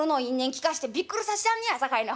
聞かしてびっくりさしてやんねやさかいなほんまに。